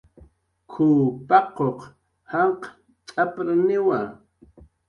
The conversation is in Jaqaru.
"K""uw paquq janq' t'aprniwa"